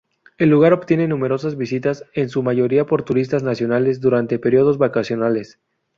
El lugar obtiene numerosas visitas en su mayoría por turistas nacionales durante períodos vacacionales.